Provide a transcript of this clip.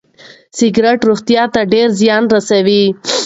سګریټ روغتیا ته ډېر زیان رسوي.